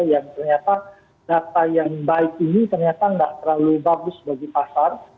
yang ternyata data yang baik ini ternyata nggak terlalu bagus bagi pasar